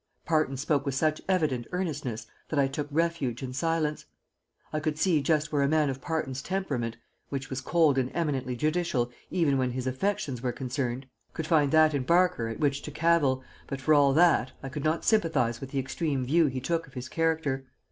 Parton spoke with such evident earnestness that I took refuge in silence. I could see just where a man of Parton's temperament which was cold and eminently judicial even when his affections were concerned could find that in Barker at which to cavil, but, for all that, I could not sympathize with the extreme view he took of his character.